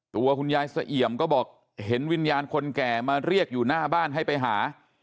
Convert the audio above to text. ตัวคุณยายเสเอี่ยมก็บอกเห็นวิญญาณคนแก่มาเรียกอยู่หน้าบ้านให้ไปหา